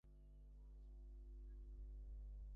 সেখানে জঙ্গলের মধ্যে এটি পোঁতা ছিল।